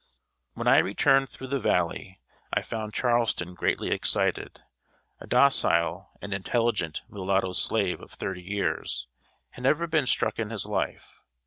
] When I returned through the valley, I found Charleston greatly excited. A docile and intelligent mulatto slave, of thirty years, had never been struck in his life.